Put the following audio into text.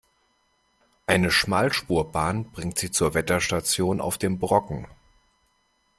Eine Schmalspurbahn bringt Sie zur Wetterstation auf dem Brocken.